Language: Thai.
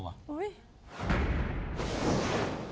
เป็นอะไร